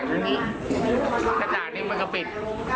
เครื่องด้านนี้มักก็ปิด